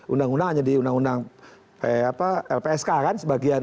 undang undang hanya di undang undang lpsk kan sebagian